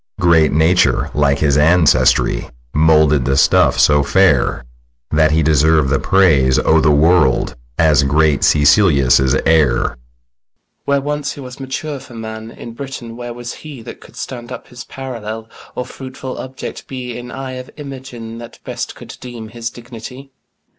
SICILIUS. Great Nature like his ancestry Moulded the stuff so fair That he deserv'd the praise o' th' world As great Sicilius' heir. FIRST BROTHER. When once he was mature for man, In Britain where was he That could stand up his parallel, Or fruitful object be In eye of Imogen, that best Could deem his dignity?